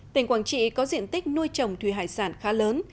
tỉnh quảng trị có diện tích nuôi trồng thủy hải sản khá lớn